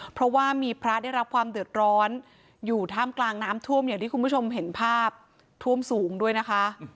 เพราะว่ามีพระได้รับความเดือดร้อนอยู่ท่ามกลางน้ำท่วมอย่างที่คุณผู้ชมเห็นภาพท่วมสูงด้วยนะคะ